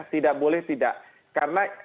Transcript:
tidak boleh tidak karena